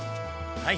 はい。